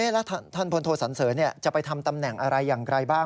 แล้วท่านพลโทสันเสริญจะไปทำตำแหน่งอะไรอย่างไรบ้าง